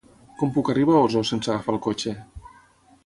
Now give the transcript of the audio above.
Com puc arribar a Osor sense agafar el cotxe?